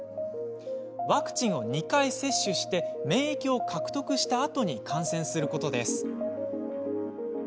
ワクチンを２回接種し免疫を獲得したあとに感染することです。